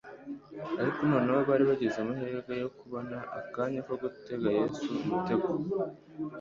Ariko noneho bari bagize amahirwe yo kubona akanya ko gutega Yesu umutego.